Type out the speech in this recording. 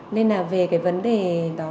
nên là về cái vấn đề đó